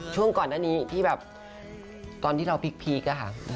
ช่วงก่อนหน้านี้ที่แบบตอนที่เราพีคอะค่ะ